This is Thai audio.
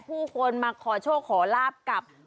ผู้คนมาขอโชคขอลาบกับ